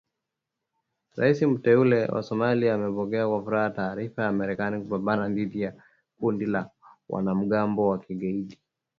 Rais Mteule wa Somalia amepokea kwa furaha taarifa ya Marekani kupambana dhidi ya kundi la wanamgambo wa Kigaidi.